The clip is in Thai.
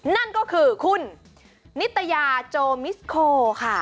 นั่นก็คือคุณนิตยาโจมิสโคค่ะ